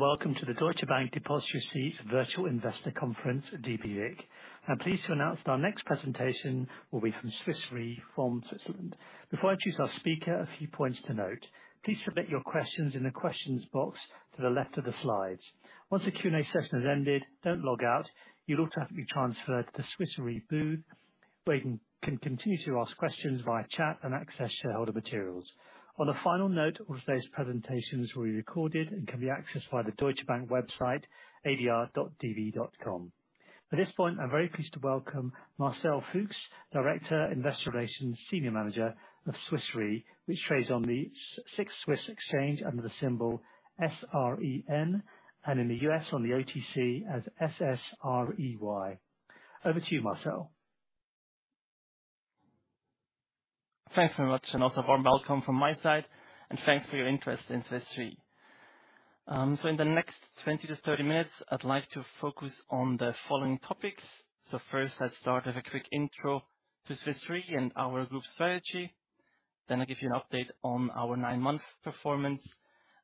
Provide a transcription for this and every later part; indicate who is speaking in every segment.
Speaker 1: Welcome to the Deutsche Bank Depositary Receipts Virtual Investor Conference, dbVIC. I'm pleased to announce that our next presentation will be from Swiss Re from Switzerland. Before I introduce our speaker, a few points to note. Please submit your questions in the questions box to the left of the slides. Once the Q&A session has ended, don't log out. You'll automatically be transferred to the Swiss Re booth, where you can continue to ask questions via chat and access shareholder materials. On a final note, all today's presentations will be recorded and can be accessed via the Deutsche Bank website, adr.db.com. At this point, I'm very pleased to welcome Marcel Fuchs, Director, Investor Relations, Senior Manager of Swiss Re, which trades on the SIX Swiss Exchange under the symbol SREN, and in the U.S. on the OTC as SSREY. Over to you, Marcel.
Speaker 2: Thanks very much, and also a warm welcome from my side, and thanks for your interest in Swiss Re. In the next 20-30 minutes, I'd like to focus on the following topics. First, let's start with a quick intro to Swiss Re and our group strategy. I'll give you an update on our nine-month performance,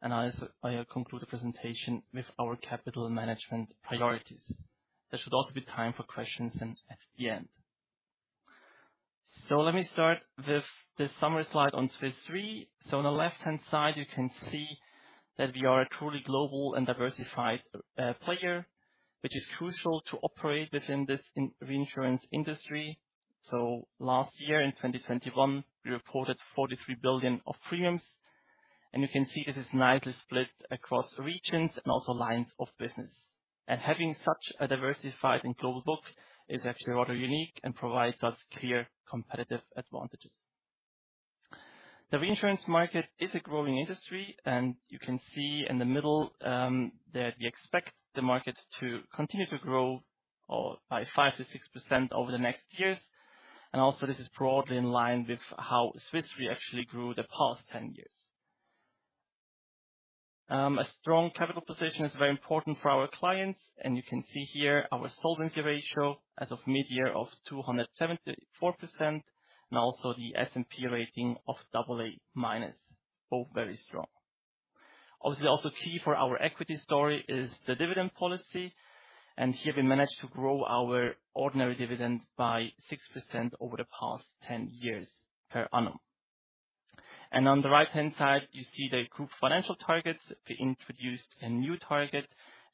Speaker 2: and I'll conclude the presentation with our capital management priorities. There should also be time for questions then at the end. Let me start with the summary slide on Swiss Re. On the left-hand side, you can see that we are a truly global and diversified player, which is crucial to operate within this reinsurance industry. Last year, in 2021, we reported $43 billion of premiums, and you can see this is nicely split across regions and also lines of business. Having such a diversified and global book is actually rather unique and provides us clear competitive advantages. The reinsurance market is a growing industry, and you can see in the middle that we expect the market to continue to grow by 5%-6% over the next years. Also, this is broadly in line with how Swiss Re actually grew the past 10 years. A strong capital position is very important for our clients, and you can see here our solvency ratio as of mid-year of 274%, and also the S&P rating of AA-, both very strong. Obviously, also key for our equity story is the dividend policy, and here we managed to grow our ordinary dividend by 6% over the past 10 years per annum. On the right-hand side, you see the group financial targets. We introduced a new target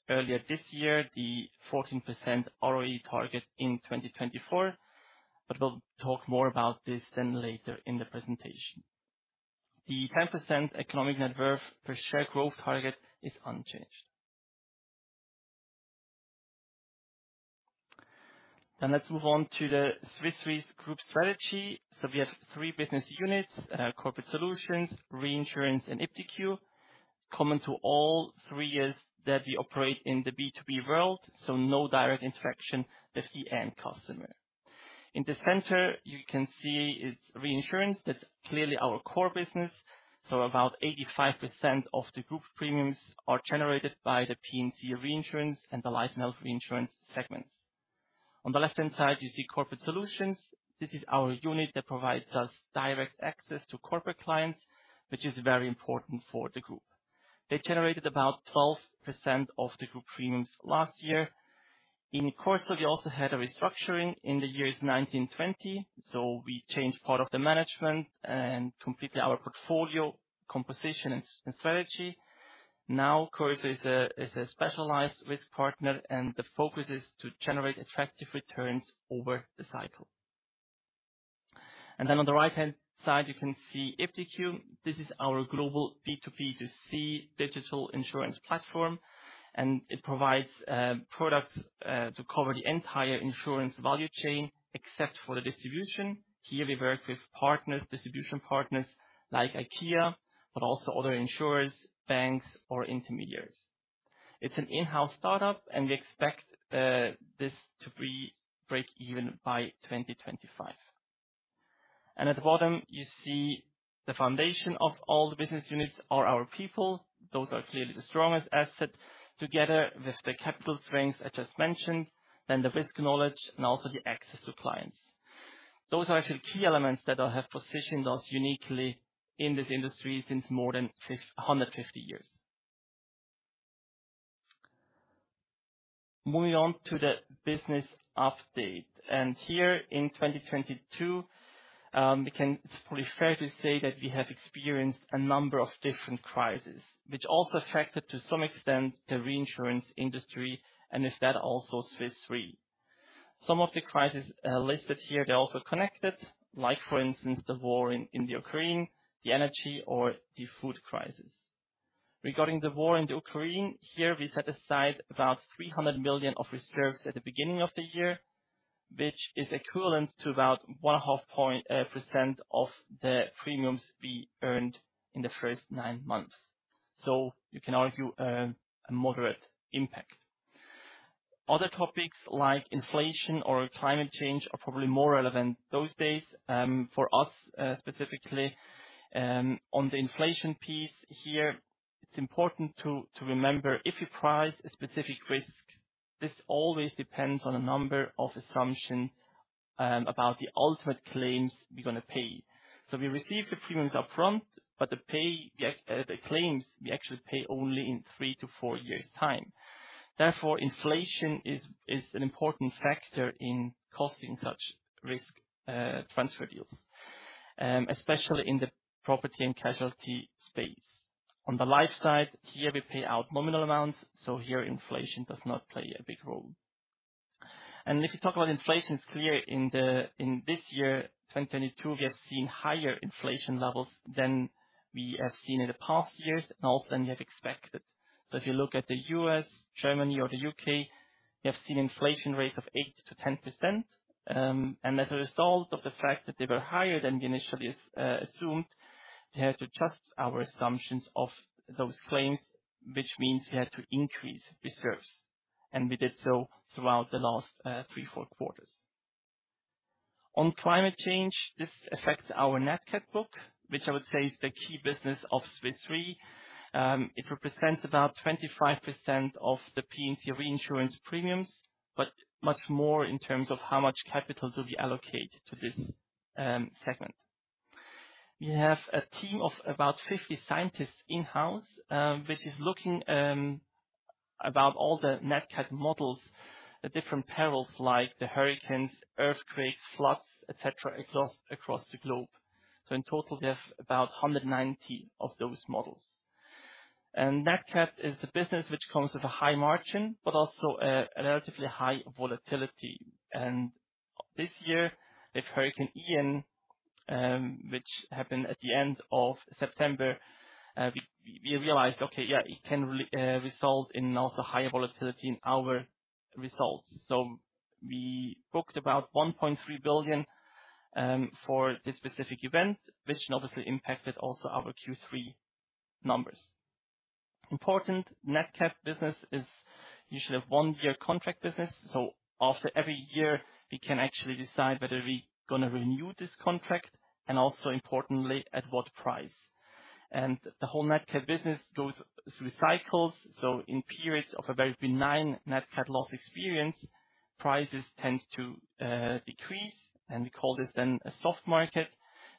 Speaker 2: earlier this year, the 14% ROE target in 2024, but we'll talk more about this then later in the presentation. The 10% Economic Net Worth per share growth target is unchanged. Let's move on to the Swiss Re's group strategy. We have three business units, Corporate Solutions, Reinsurance, and iptiQ. Common to all three is that we operate in the B2B world, so no direct interaction with the end customer. In the center, you can see it's reinsurance. That's clearly our core business. About 85% of the group premiums are generated by the P&C Reinsurance and the Life & Health Reinsurance segments. On the left-hand side, you see Corporate Solutions. This is our unit that provides us direct access to corporate clients, which is very important for the group. They generated about 12% of the group premiums last year. In CorSo, we also had a restructuring in the years 2019-2020. We changed part of the management and completely our portfolio composition and strategy. Now, CorSo is a specialized risk partner, and the focus is to generate attractive returns over the cycle. On the right-hand side, you can see iptiQ. This is our global B2B2C digital insurance platform, and it provides products to cover the entire insurance value chain, except for the distribution. Here we work with partners, distribution partners like IKEA, but also other insurers, banks or intermediaries. It's an in-house startup, and we expect this to be breakeven by 2025. At the bottom, you see the foundation of all the business units are our people. Those are clearly the strongest asset, together with the capital strengths I just mentioned, then the risk knowledge, and also the access to clients. Those are actually key elements that have positioned us uniquely in this industry since more than 150 years. Moving on to the business update. Here in 2022, it's probably fair to say that we have experienced a number of different crises, which also affected, to some extent, the reinsurance industry, and with that, also Swiss Re. Some of the crises listed here, they're also connected, like, for instance, the war in the Ukraine, the energy or the food crisis. Regarding the war in the Ukraine, here we set aside about three hundred million of reserves at the beginning of the year, which is equivalent to about one and a half point, uh, percent of the premiums we earned in the first nine months. So you can argue, um, a moderate impact. Other topics like inflation or climate change are probably more relevant those days, um, for us, uh, specifically, um, on the inflation piece here, it's important to remember, if you price a specific risk, this always depends on a number of assumptionsUm, about the ultimate claims we're gonna pay. So we receive the premiums up front, but the pay, uh, the claims, we actually pay only in three to four years' time. Therefore, inflation is an important factor in costing such risk, uh, transfer deals, um, especially in the property and casualty space. On the life side, here we pay out nominal amounts, so here inflation does not play a big role. If you talk about inflation, it's clear in this year, 2022, we have seen higher inflation levels than we have seen in the past years and also than we have expected. If you look at the U.S., Germany or the U.K., we have seen inflation rates of 8%-10%. As a result of the fact that they were higher than we initially assumed, we had to adjust our assumptions of those claims, which means we had to increase reserves, and we did so throughout the last three, four quarters. On climate change, this affects our NatCat book, which I would say is the key business of Swiss Re. Um, it represents about twenty-five percent of the P&C reinsurance premiums, but much more in terms of how much capital do we allocate to this, um, segment. We have a team of about fifty scientists in-house, um, which is looking, um, about all the NatCat models, the different perils like the hurricanes, earthquakes, floods, et cetera, across the globe. So in total, we have about hundred and ninety of those models. And NatCat is a business which comes with a high margin, but also a relatively high volatility. And this year, with Hurricane Ian, um, which happened at the end of September, uh, we realized, okay, yeah, it can re-uh, result in also higher volatility in our results. So we booked about one point three billion, um, for this specific event, which obviously impacted also our Q3 numbers. Important NatCat business is usually a one-year contract business, so after every year we can actually decide whether we gonna renew this contract, and also importantly, at what price. The whole NatCat business goes through cycles, so in periods of a very benign NatCat loss experience, prices tends to decrease, and we call this then a soft market.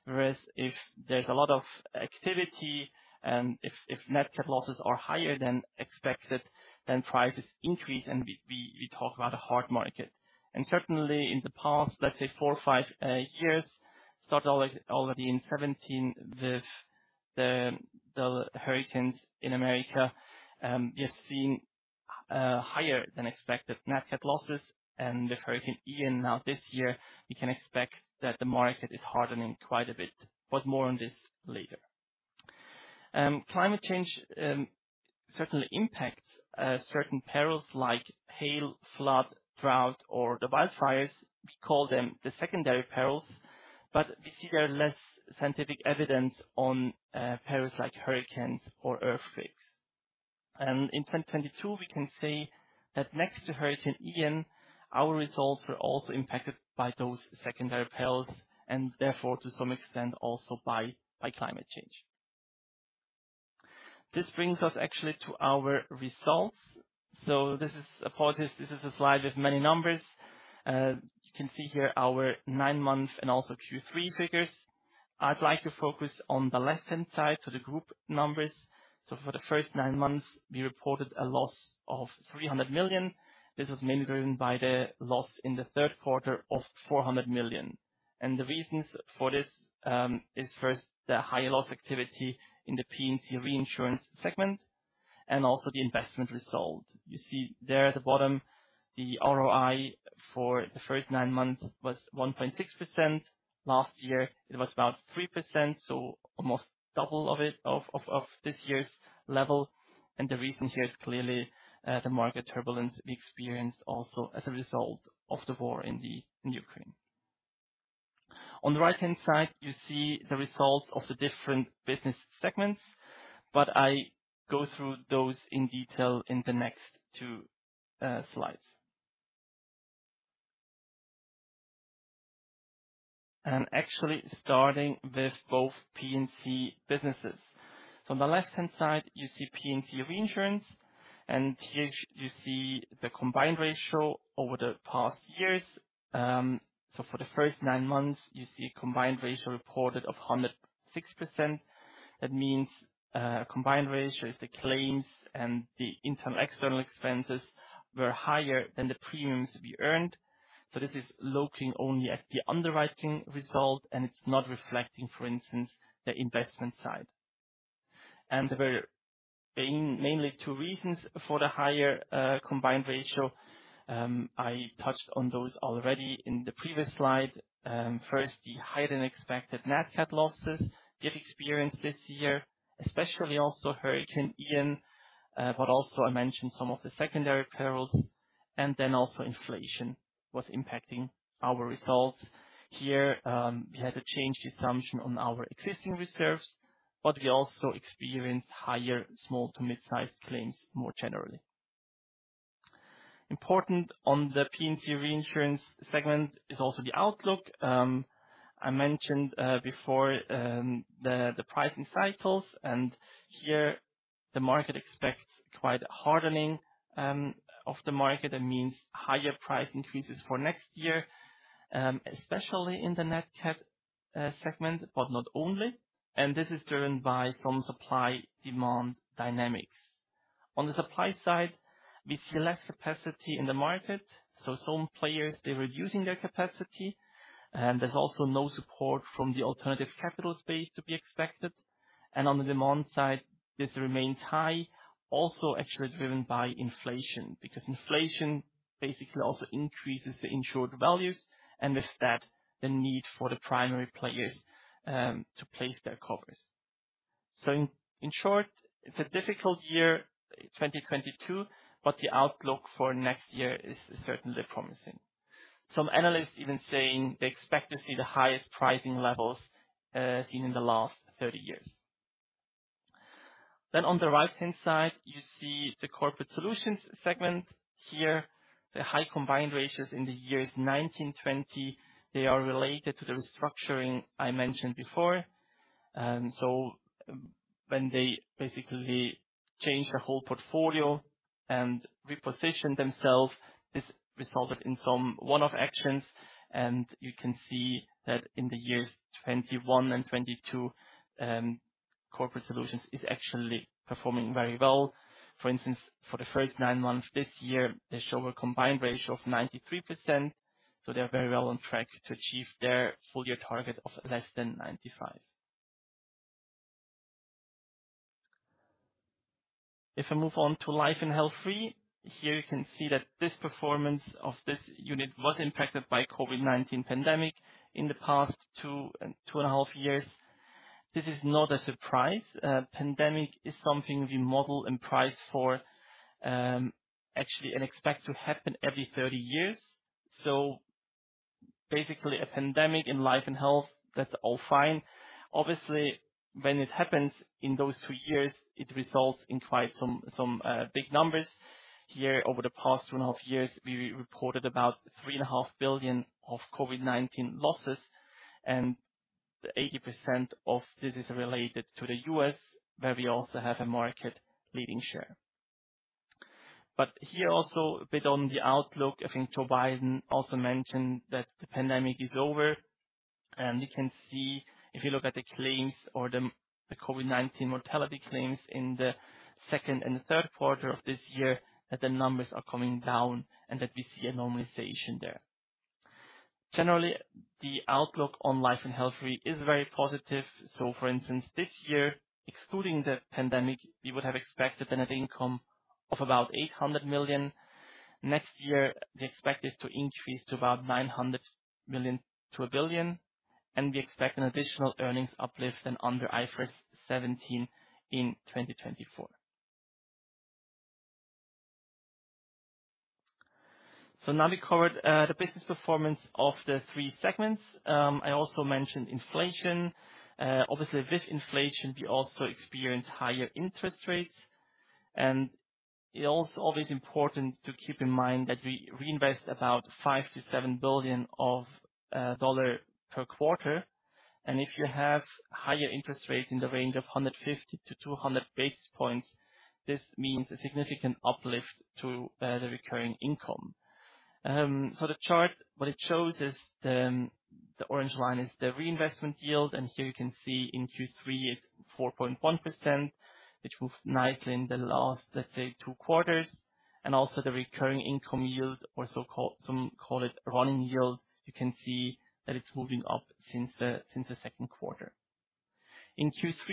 Speaker 2: Whereas if there's a lot of activity and if NatCat losses are higher than expected, then prices increase and we talk about a hard market. Certainly in the past, let's say four or five years, already in 2017 with the hurricanes in America, we have seen higher than expected NatCat losses. With Hurricane Ian now this year, we can expect that the market is hardening quite a bit. More on this later. Climate change certainly impacts certain perils like hail, flood, drought, or the wildfires. We call them the secondary perils, but we see there are less scientific evidence on perils like hurricanes or earthquakes. In 2022, we can say that next to Hurricane Ian, our results were also impacted by those secondary perils and therefore to some extent also by climate change. This brings us actually to our results. Apologies, this is a slide with many numbers. You can see here our nine months and also Q3 figures. I'd like to focus on the left-hand side, so the group numbers. For the first nine months, we reported a loss of $300 million. This was mainly driven by the loss in the third quarter of $400 million. The reasons for this is first the high loss activity in the P&C Reinsurance segment and also the investment result. You see there at the bottom, the ROI for the first nine months was 1.6%. Last year it was about 3%, so almost double of this year's level. The reason here is clearly the market turbulence we experienced also as a result of the war in Ukraine. On the right-hand side, you see the results of the different business segments, but I go through those in detail in the next two slides. Actually starting with both P&C businesses. On the left-hand side, you see P&C Reinsurance, and here you see the combined ratio over the past years. For the first nine months, you see a combined ratio reported of 106%. That means combined ratio is the claims and the internal, external expenses were higher than the premiums we earned. This is looking only at the underwriting result, and it's not reflecting, for instance, the investment side. There are mainly two reasons for the higher combined ratio. I touched on those already in the previous slide. First, the higher than expected NatCat losses we have experienced this year, especially also Hurricane Ian, but also I mentioned some of the secondary perils. Inflation was impacting our results. Here, we had to change the assumption on our existing reserves, but we also experienced higher small to mid-sized claims more generally. Important on the P&C reinsurance segment is also the outlook. I mentioned before the pricing cycles. The market expects quite a hardening of the market. That means higher price increases for next year, especially in the NatCat segment, but not only, and this is driven by some supply-demand dynamics. On the supply side, we see less capacity in the market, so some players, they were using their capacity. There's also no support from the alternative capital space to be expected. On the demand side, this remains high, also actually driven by inflation, because inflation basically also increases the insured values, and with that, the need for the primary players to place their covers. In short, it's a difficult year, 2022, but the outlook for next year is certainly promising. Some analysts even saying they expect to see the highest pricing levels seen in the last 30 years. On the right-hand side, you see the Corporate Solutions segment. Here, the high combined ratios in the years 2019-2020, they are related to the restructuring I mentioned before. When they basically change the whole portfolio and reposition themselves, this resulted in some one-off actions, and you can see that in the years 2021 and 2022, Corporate Solutions is actually performing very well. For instance, for the first nine months this year, they show a combined ratio of 93%, so they are very well on track to achieve their full year target of less than 95%. If I move on to Life & Health Re. Here you can see that this performance of this unit was impacted by COVID-19 pandemic in the past two and a half years. This is not a surprise. Pandemic is something we model and price for, actually and expect to happen every 30 years. Basically a pandemic in Life & Health, that's all fine. Obviously, when it happens in those two years, it results in quite some big numbers. Here, over the past two and a half years, we reported about $three and a half billion of COVID-19 losses, and 80% of this is related to the U.S., where we also have a market-leading share. Here also a bit on the outlook. I think Joe Biden also mentioned that the pandemic is over. You can see, if you look at the claims or the COVID-19 mortality claims in the second and the third quarter of this year, that the numbers are coming down and that we see a normalization there. Generally, the outlook on Life & Health Re is very positive. For instance, this year, excluding the pandemic, we would have expected a net income of about $800 million. Next year, we expect this to increase to about $900 million-$1 billion, and we expect an additional earnings uplift and under IFRS 17 in 2024. Now we covered the business performance of the three segments. I also mentioned inflation. Obviously with inflation, we also experience higher interest rates. It also always important to keep in mind that we reinvest about $5 billion-$7 billion per quarter. If you have higher interest rates in the range of 150-200 basis points, this means a significant uplift to the recurring income. The chart, what it shows is the orange line is the reinvestment yield. Here you can see in Q3 it's 4.1%, which moved nicely in the last, let's say two quarters. Also the recurring income yield or so-called, some call it running yield. You can see that it's moving up since the second quarter. In Q3,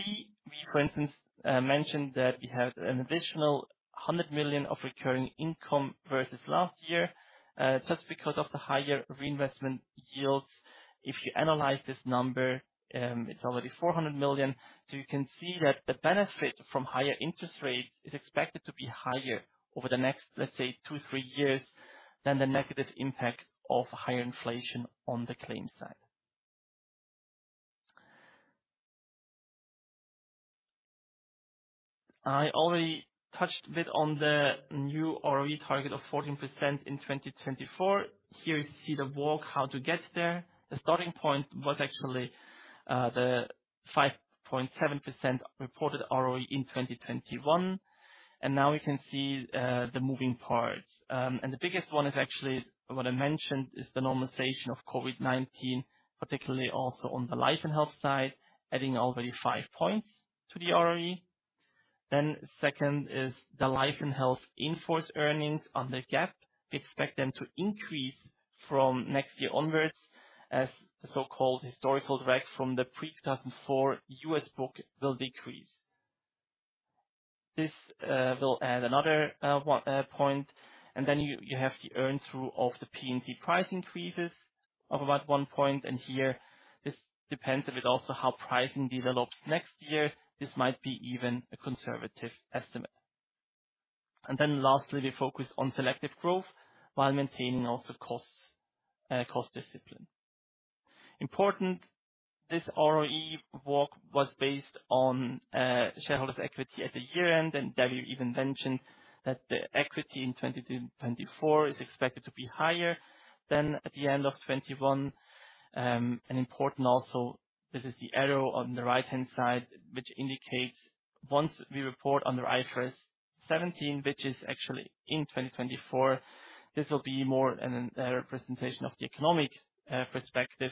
Speaker 2: we for instance mentioned that we have an additional $100 million of recurring income versus last year, just because of the higher reinvestment yields. If you analyze this number, it's already $400 million. You can see that the benefit from higher interest rates is expected to be higher over the next, let's say two-three years than the negative impact of higher inflation on the claims side. I already touched a bit on the new ROE target of 14% in 2024. Here you see the walk how to get there. The starting point was actually the 5.7% reported ROE in 2021. Now we can see the moving parts. The biggest one is actually what I mentioned is the normalization of COVID-19, particularly also on the Life & Health side, adding already five points to the ROE. Second is the Life & Health in-force earnings under GAAP. We expect them to increase from next year onwards, as the so-called historical drag from the pre-2004 U.S. book will decrease. This will add another 1 point, and then you have the earn through of the P&C price increases of about 1 point. Here this depends a bit also how pricing develops next year. This might be even a conservative estimate. Lastly, we focus on selective growth while maintaining also cost discipline. Important, this ROE work was based on shareholders' equity at the year-end, and we even mentioned that the equity in 2024 is expected to be higher than at the end of 2021. Important also, this is the arrow on the right-hand side, which indicates once we report on the IFRS 17, which is actually in 2024, this will be more an representation of the economic perspective.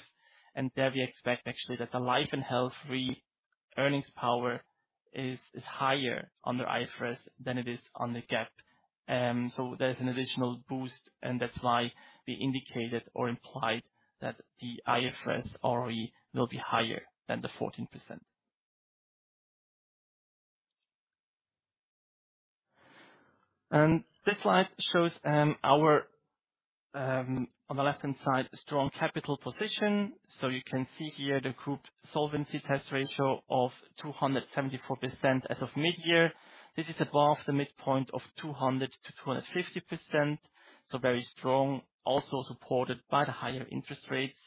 Speaker 2: There we expect actually that the Life & Health Re earnings power is higher under IFRS than it is under GAAP. There's an additional boost, and that's why we indicated or implied that the IFRS ROE will be higher than 14%. This slide shows our, on the left-hand side, strong capital position. You can see here the Group Solvency Test ratio of 274% as of midyear. This is above the midpoint of 200%-250%. Very strong, also supported by the higher interest rates.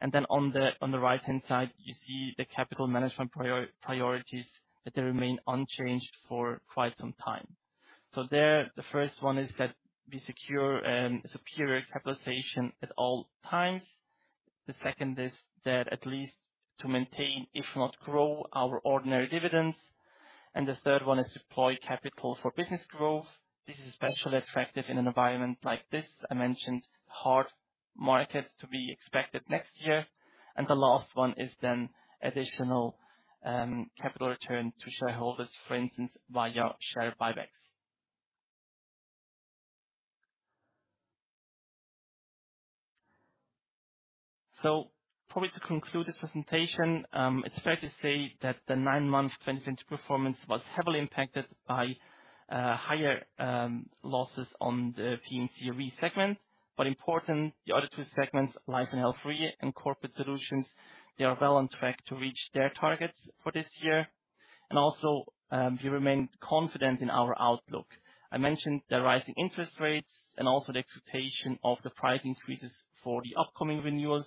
Speaker 2: On the right-hand side, you see the capital management priorities, that they remain unchanged for quite some time. There, the first one is that we secure superior capitalization at all times. The second is that at least to maintain, if not grow, our ordinary dividends. The third one is deploy capital for business growth. This is especially attractive in an environment like this. I mentioned hard markets to be expected next year. The last one is then additional capital return to shareholders, for instance, via share buybacks. Probably to conclude this presentation, it's fair to say that the nine-month 2020 performance was heavily impacted by higher losses on the P&C Re segment, but important, the other two segments, Life & Health Re and Corporate Solutions, they are well on track to reach their targets for this year. Also, we remain confident in our outlook. I mentioned the rising interest rates and also the expectation of the price increases for the upcoming renewals,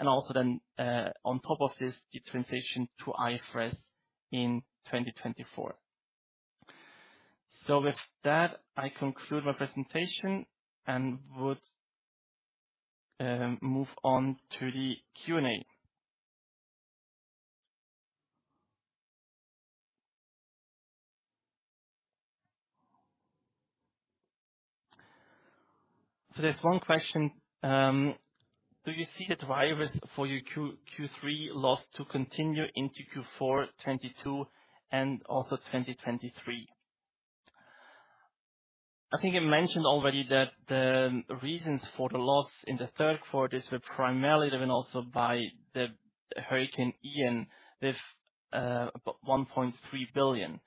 Speaker 2: and also then, uh, on top of this, the transition to IFRS in twenty twenty-four. So with that, I conclude my presentation and would, um, move on to the Q&A. So there's one question, um: Do you see the drivers for your Q, Q3 loss to continue into Q4 twenty-two and also twenty twenty-three? I think I mentioned already that the reasons for the loss in the third quarter is primarily driven also by the Hurricane Ian, with, uh, about one point three billion.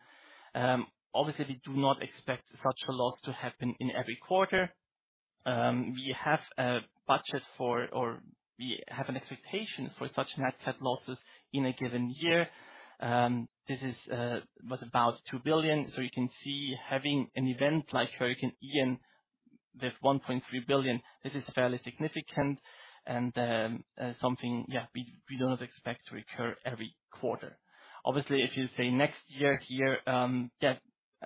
Speaker 2: Um, obviously we do not expect such a loss to happen in every quarter. Um, we have a budget for, or we have an expectation for such NatCat losses in a given year. Um, this is, uh, was about two billion. You can see having an event like Hurricane Ian with $1.3 billion, this is fairly significant and something, yeah, we don't expect to recur every quarter. Obviously, if you say next year here, yeah,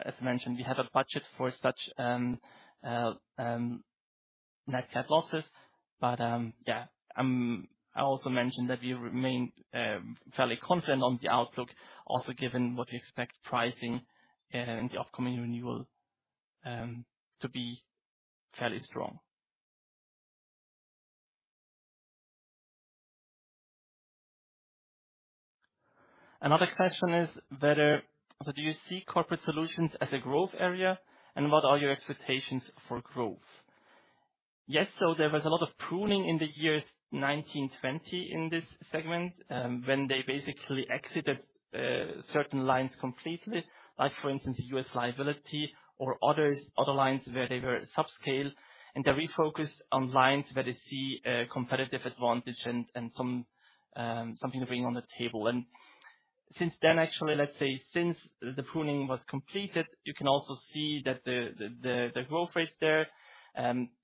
Speaker 2: as mentioned, we have a budget for such NatCat losses. Yeah, I also mentioned that we remain fairly confident on the outlook, also given what we expect pricing in the upcoming renewal to be fairly strong. Another question is, do you see Corporate Solutions as a growth area, and what are your expectations for growth? Yes. There was a lot of pruning in the years 2019-2020 in this segment when they basically exited certain lines completely, like for instance, the U.S. liability or other lines where they were subscale, and they refocused on lines where they see a competitive advantage and something to bring on the table. Since then, actually, let's say since the pruning was completed, you can also see that the growth rates there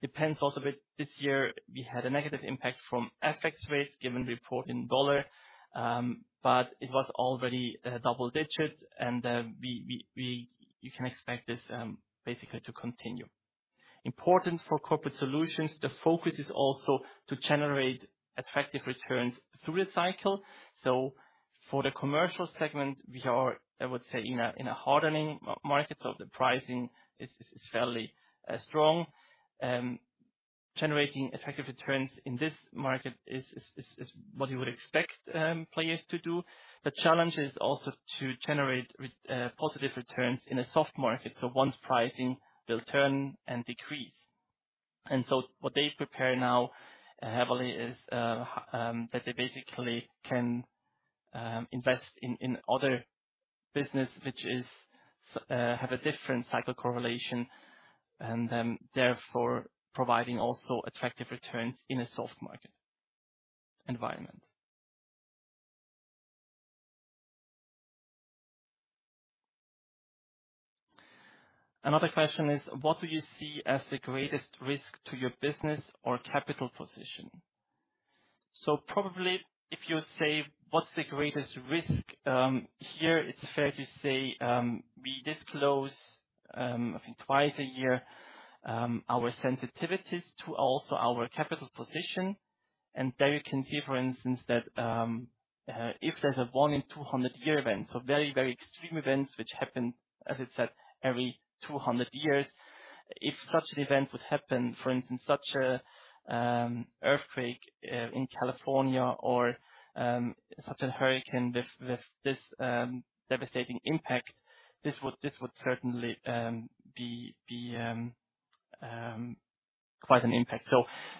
Speaker 2: depends also a bit. This year, we had a negative impact from FX rates given report in the U.S. dollar, but it was already double digit and you can expect this basically to continue. Important for Corporate Solutions, the focus is also to generate attractive returns through the cycle. For the commercial segment, we are, I would say, in a hardening market. The pricing is fairly strong. Generating attractive returns in this market is what you would expect players to do. The challenge is also to generate positive returns in a soft market, so once pricing will turn and decrease. What they prepare now heavily is that they basically can invest in other business, which is have a different cycle correlation, and therefore providing also attractive returns in a soft market environment. Another question is, what do you see as the greatest risk to your business or capital position? Probably if you say, "What's the greatest risk?" Here, it's fair to say we disclose, I think twice a year, our sensitivities to also our capital position. There you can see, for instance, that if there's a one in 200 year event, so very, very extreme events which happen, as I said, every 200 years. If such an event would happen, for instance, such a earthquake in California or such a hurricane with this devastating impact, this would certainly be quite an impact.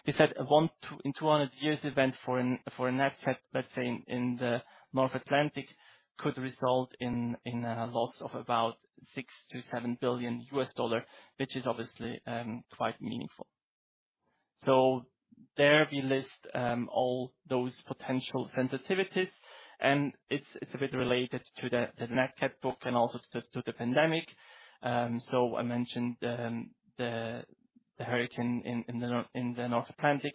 Speaker 2: We said a one in 200 years event for a NatCat, let's say in the North Atlantic, could result in a loss of about $6 billion-$7 billion, which is obviously quite meaningful. There we list all those potential sensitivities, and it's a bit related to the NatCat book and also to the pandemic. I mentioned the hurricane in the North Atlantic.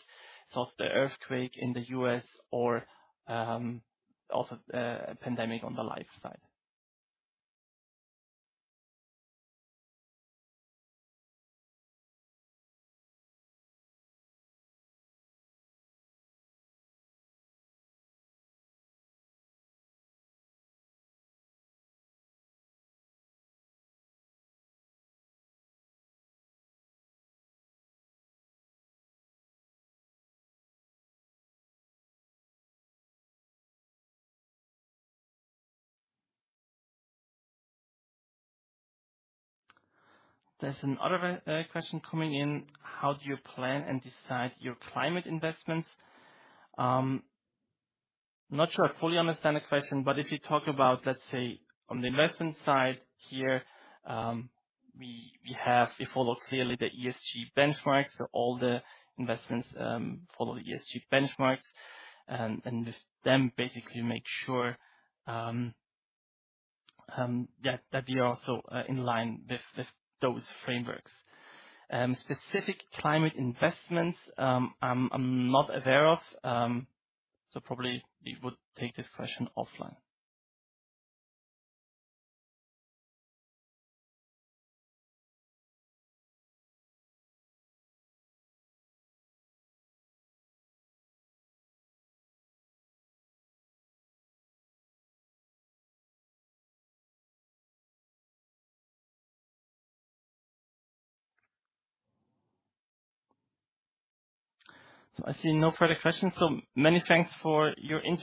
Speaker 2: It's also the earthquake in the U.S. or also pandemic on the life side. There's another question coming in. How do you plan and decide your climate investments? I'm not sure I fully understand the question, but if you talk about, let's say, on the investment side here, we follow clearly the ESG benchmarks. All the investments follow the ESG benchmarks, and with them basically make sure, yeah, that we are also in line with those frameworks. Specific climate investments I'm not aware of. Probably we would take this question offline. I see no further questions. Many thanks for your interest.